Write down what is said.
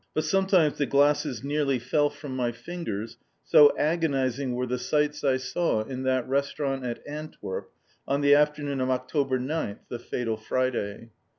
But sometimes the glasses nearly fell from my fingers, so agonising were the sights I saw in that restaurant at Antwerp, on the afternoon of October 9th the Fatal Friday.